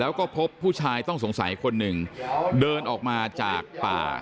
แล้วก็พบผู้ชายต้องสงสัยคนหนึ่งเดินออกมาจากป่า